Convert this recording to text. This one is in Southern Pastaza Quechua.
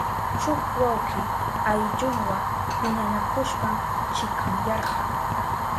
Shuk wawki ayllunwa piñanakushpan chikanyarka.